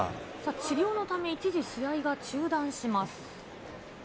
治療のため、一時、試合が中断します。